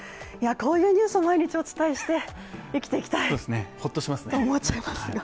こういうニュースを毎日お伝えして生きていきたいと思っちゃいます。